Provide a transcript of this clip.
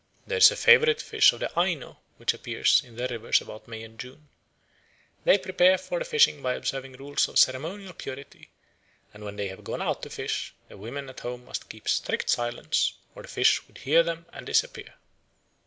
There is a favourite fish of the Aino which appears in their rivers about May and June. They prepare for the fishing by observing rules of ceremonial purity, and when they have gone out to fish, the women at home must keep strict silence or the fish would hear them and disappear.